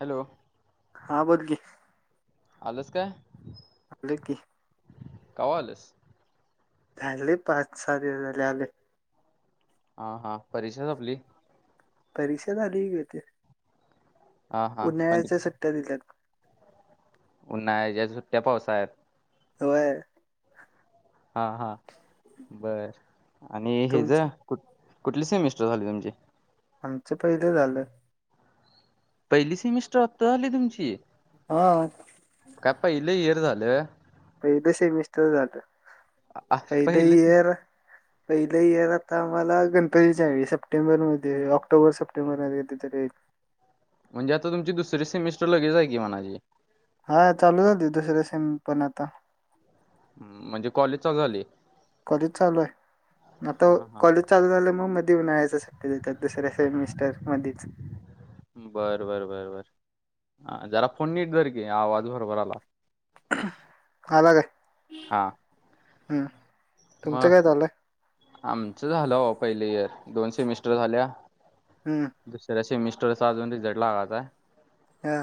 Hello हा बोल क आलंस काय आले की कवालस झाले पाच सहा दिवस झाले आले ह हा परीक्षाच आपली परीक्षा झालीक ते हा हा म्हणजे उन्हाळ्याच्या सट्ट्या दिेतात उन्हा ज्या सुट्ट्या पावसा आहेत हो हा हा बर आणि हे ज तुमची कुठ कुठली सेमिस्टर झाले तुमचे आमचं पहिलं झालं पहिली सेमिस्टर हप्ता झाली तुमची हा कपा इल येर झाल प तसे मिस्टर जात आ पहिलं से- इयर पहिलं इयर आता आम्हाला गणपती आहे सप्टेंबर मध्ये ऑक्टोबर सप्टेंबरमध्येध्ये कधतरीईल म्हणजे आता तुमची दुसरी सेमिस्टर लगेच आहे की म्हणाझी हा चालू झा दुसरे सेम पण आता म्हणजे कॉलेज झाली कॉलेज चालूय आता हा हा कॉलेज चालू झालं मग मध्ये उन्हाळायच शक्य देतात दुसऱ्या सेमिस्टर मधच बरं बर बर बर जरा फोन नट जर की आवाज बरोबर आला हला काय हा हम्म तुमचं काय मग चालंय आमचं झालं पहिले इयर दोन सेमिस्टर झाल्या हम्म दुसऱ्या सेमिस्ट थोडासा अजून रिझल्ट लागायचं हा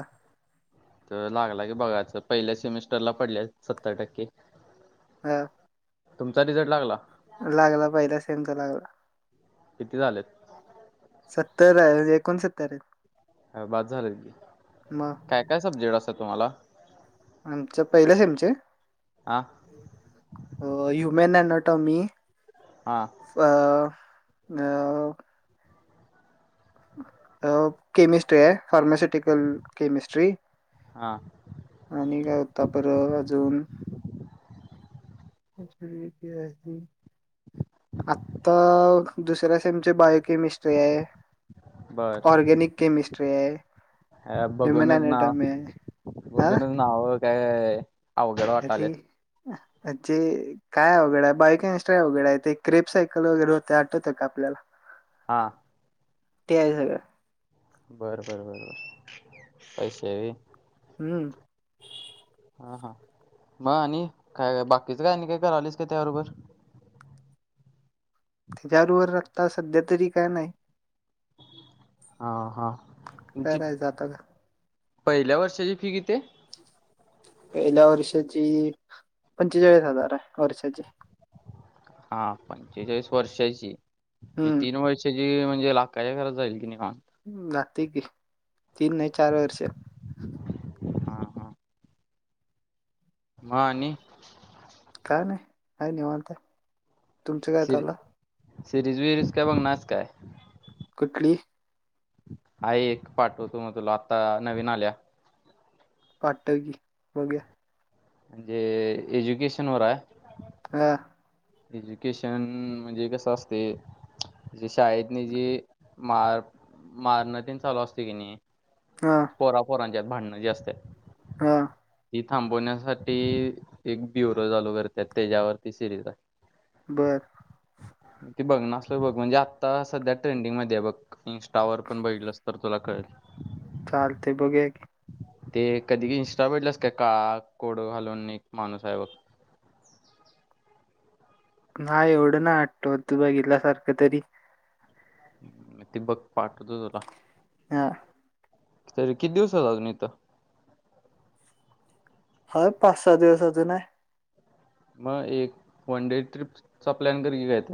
तर लागला की बघायच पहिल्या सेमिस्टरला पडले सत्तर टक्के हा तुमचा रिझल्ट लागला लागला पहिला सेमचा लागला किती झालेत सत्तर आहे एकोणसत्तर आहेत बास झालेी मग काय काय सब्जेक्ट असा तुम्हाला आमच्या पहिल्या सेमचे हां मेन अनोटोमी हां अ अ अ केमिस्ट्री आहे फार्माास्युटिकल केमिस्ट्री हां आणि काय होता बर अजून ए ल क आहेी आता दुसऱ्या सेमची बायोकेमिस्ट्री आहे बर ऑर्गेनिक केमिस्ट्री आहे अ ह्युमन बघूनच नाव अनाटॉमी आहे हा बघूनच नाव काय अवघड वाटाले. अरे जे काय अवघडा आहे बायक एनस्ट्राय अवघडा आहे ते क्रेप सायकल वगैरे होते आठवत का आपल्याला ला. हा. ते आहे सगळं. बर बर बरोबर पैसेवी हम्म. हा हा मग आणि काय बाकीचं काय नाही काय करालीच का त्याबरोबर तच्या रूवर राता सध्या तरी काय नाही. ह. खर आहेझात. पहिल्या वर्षाची फी किती? पहिल्या वर्षाची पंचेचाळीस हजार आहे वर्षाची. हा पंचेचाळीस वर्षाची तीन हम्म वर्षाची म्हणजे लाखाच्या घरात जाईल की नाही. जाती की तीन नाही चार वर्ष हा हा. मग आणि काय नाही आहे निवांत तुमच काय सिरी चाल. सिरीज विरीज काय बघणार आहेस काय? कुठली? आहे एक पाठव तू म तुला आत्ता नवीन आल्या. पाठव की बघूया. जे एजुकेशन वर आहे. हम्. एज्युकेशन म्हणजे कसं असते. जे शाळेत नि जी मार मारण चालू असते की नाही. हा पोरा पोरांच्यात भांडणं जे असत. हा. थांबवण्यासाठी एक ब्युरो चालू करत त्याच्यावरती सिरीज आहे. बरं. [inaudible] ती बघणार असलं तर बघ म्हणजे आता सध्या ट्रेंडिंग मध्ये बघ इंनस्टावर पण बघितलस तर तुला कळेल. चालते बघूया कि ते कधी इनस्टावर बघितलस काळा कोट घालून एक माणूस आहे बघ. [inaudible] ना एवढं ना आटतो तू बघितला सारखं तरी ते बघ पाठवतो तुला. हा तरी किती दिवस तुम्ही इथ. ह पाच सहा दिवस अजून आहे. मग एक वन डे ट्रिपचा प्लॅन कर की घेत.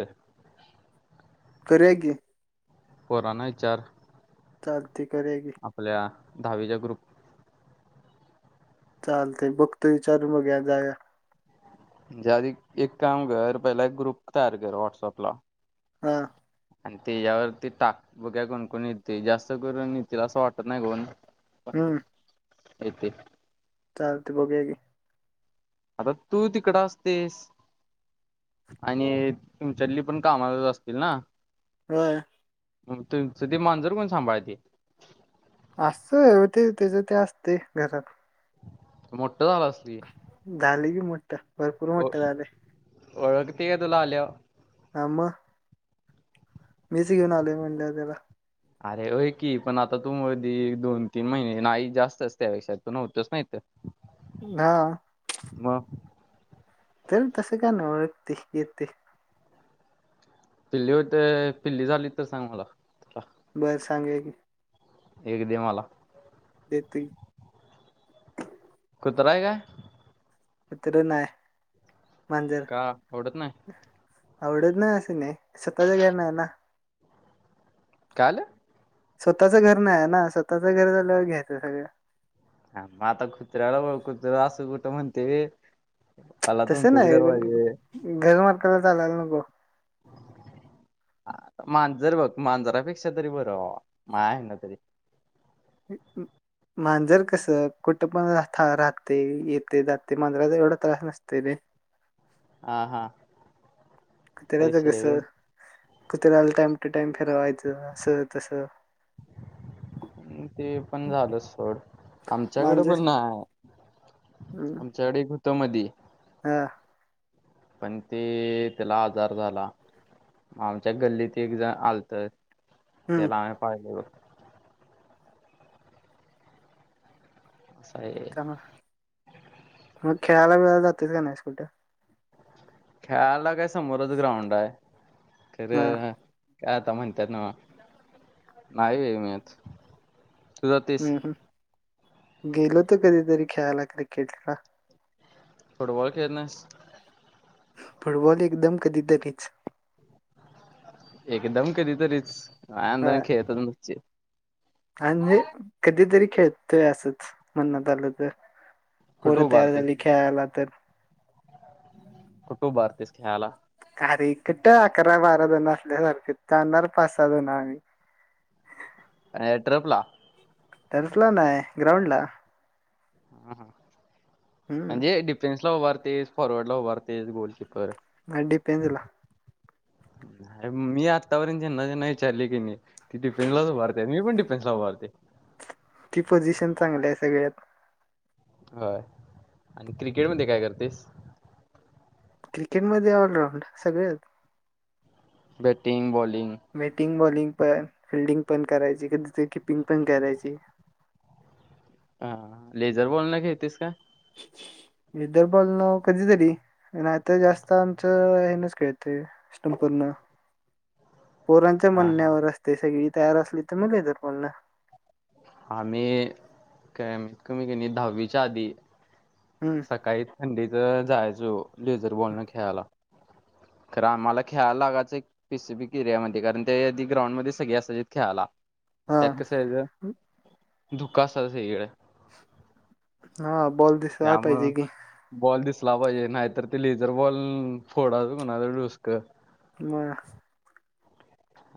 करया के पोरांना विचार चालती करेग. दहावीचा ग्रुप चाल ते बुखत विचार मग जाया. म्हणजे आधी एक काम कर पहिला एक ग्रुप तयार कर व्हॉटसअपला हा. आणि त्याच्यावरती टाक बघ्या कोण कोण येते जास्त करून येतील असं वाटत नाही कोण? हम्म ब ते चालतय बघूया की आता तू तिकड असतेस आणि तुमच्यातली पण कामातच असतील ना. होय. म तुमचं ते मांजूर कोण सांभाळतय? असत व ते तेज ते असतय घरात. मोठ झालं असल? झालय की मोठठ, भरपूर मोठ झालय. ओळखतय का तुला आल्यावर हा. म. मीच घेऊन आलोय म्हणल्यावर त्याला अरे होई की, पण आता तू मधे दोन-तीन महिने नाही, जास्तच त्यापेक्षा तू न्हवतास ना इथ. हा. मग? ते तसं काय नाही ओळखतय ते. पिल्ली होते पिल्ली झाली तर सांग मला. बर संगुया की एक दे मला. त [unintelligible] [inaudible] कुत्र हाय काय? कुत्र नाय. का आवडत नाय? आवडत नाही अस नाही, स्वतःच घर नाही ना. काल. स्वतःच घर नाही आहे ना, स्वतःच घर झालं घ्यायचं सगळं ह म आता कुत्र्याला [unintelligible] कुत्र असं कुठं म्हणतय होय? तस नाही, पण घर म्हंटल्यावर चालायला नको. मांजर बघ मांजरापेक्षा तरी बरं बाबा, माया हेन तरी [unintelligible] [inaudible] मांजर कस, कुठं पण राह राहतय, येतय, जातय, मांजराचा एवढा त्रास नसतय रे. हा. हा. असा कुतऱ्याच विषय कस, आहे कुतऱ्याला टाइम टू टाइम फिरवायचं, असं तस [unintelligible] [inaudible] ते पण झालं सोड, आमच्याकडे मांजर पण आमच्याकड एक हुंत मधी हम. पण ते, तेला आजार झाला. आमच्या गल्लीत एक जण आलत, हम्म त्याला आम्ही पाळलेलो. असं आहे. त्यामुळे मग खेळायला बिळायला जातयस क नई कुठं? खेळाला काय समोरच ग्राउंड आहे, खर हा काय आता म्हणत्यात नव नाही वेळ मिळत हम्म हम्म [unintelligible] गेलो तर कधीतरी खेळायला क्रिकेटला फुटबॉल खेळत नाहीस? फुटबॉल एकदम कधीतरीच. एकदम कधी तरीच लहदाण होय खेळतच नशिल आणि जे कधीतरी खेळतोय असंच, म्हणनात आलं तर पोर तयार झाली खेळायला तर कुठ हुबारतोस खेळायला. अरे कुट अकरा बाराल जण असल्यासारखे जाणार पाच सहा जण आम्ही ट्रिपला टसला नाही ग्राउंड ला हा ह हम्म म्हणजे डिफेन्स ला उभारतेस फॉरवर्ड ला उभारतेस गोलकीपर. [unintelligible] नाही मी आत्तापर्यत ज्यांना ज्यांना विचारले की नाही डिफेन्सलाच भरते मी पण डिफेन्स ला भरते ती पोझिशन चांगलं आहे सगळ्यात. ह आणि क्रिकेट मध्ये काय करतेस? क्रिकेट म ऑलराऊंड सगळे. Batting bowling batting bowling. पण फिल्डिंग पण करायची कधी किपिंग पण करायची. हा लेझर बोलण घेेतेस का? लेदर बॉल न कधीतरी अन् आता जास्त आमचं हे नच खेळतते स्टंपर न. पोरांच्या हा हा. म्हणण्यावर असते सगळी तयार असली तर मग हे तर मग लेदर बॉल न. आ्ही काय कमी क दहावीच्या आधी हम्म. सकाळी थंडीच जायचो लेझर बॉल न खेळायला. खरं आम्हाला खेळायला लागाचं एक पिसिफिक एरिया मध्ये कारण ते आधी ग्राउंडमध्ये सगळी असायची खेळायला. हा. त्यात कसं याचं धुक असाच इकडे. हा बॉल दिसला पाहिजे की. ला पाहिजे नाहीतर ते लेझर बॉल फोडाच कुणाच डोस्क म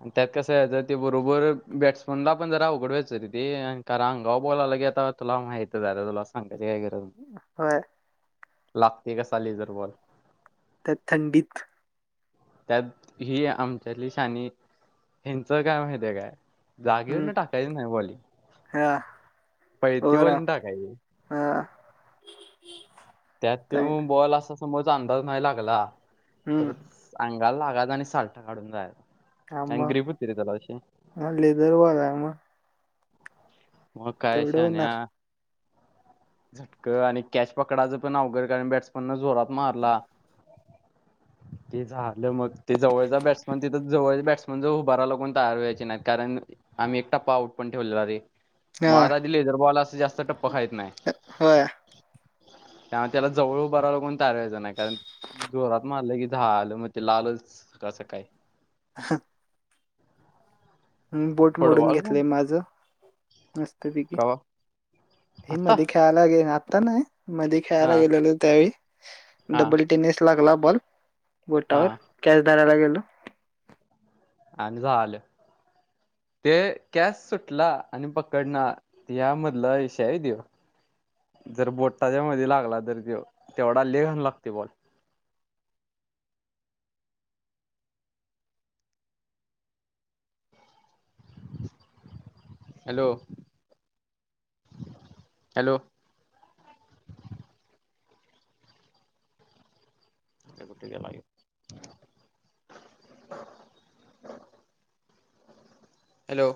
ह त्यात कसं आहे ज ते बरोबर बॅट्समनला पण जरा उघड वचं तरी ते कारण अंगा बॉल आला की आता तुला माहती आहे तुला सांग क काय गर होय. लागते कसा लेझर बॉल? त्या थंडीत त्यात ही आमच्याली शानी ह्यांच काय माहिती काय? जागेवर हम्म. नाही टाकायची नाही बॉली हा. ओव्हरऑल. पैतीवाॉलीने टाकायची. [unintelligible] त्यात ते चांगलं. बॉल असा समोर अंदाज नाही लागला तर हम्म. काल लागाायच आणि साल्टा काढून जायचा. हा मग लेदर बॉल [unintelligible] आहे मग म काय तेवढं होणार. शान्या? झटक आणि कॅच पकडायचं पण अवघड कारण बॅट्समन न जोरात मारला ते झालं मग ते जवळचा बॅट्समन तिथं जवळच्या बॅट्समन ज उभाराला कोण तयार व्हायचे नाहीत कारण आम्ही एकटापाऊट पण ठेवलेला रे. म हा. आता आधी लेझर बॉल असं जास्ती जास्त टप्प खायित नाही. होय. त्यामुळे त्याला जवळ बरा लागून तयार व्हायचं नाही कारण जोरात मारलं की झालं मग ते लालच कसं काय? ह बोट मोडून फुटबॉल पण घेतलंय माझं मस्त पैकी. कवा हे आता मध्ये खेळायला गेता ना मध्येी खेळायला हा गेलेलो त्यावेळी हा डब्बडी टेनिस लागला बॉल हा बोटावर कॅश धरायला गेल ट आणि झालं ते कॅस सुटला आणि पकडणार यामधला विशय हाय त्यो जर बोटटाच्या मध्ये लागला तर ते तेवढा ल्ले घाल लागते बॉल हॅलो हॅलो ठक माे हॅलो